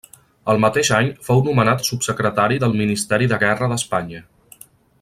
El mateix any fou nomenat subsecretari del Ministeri de Guerra d'Espanya.